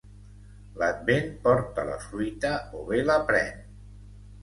L'Advent porta la fruita o bé la pren.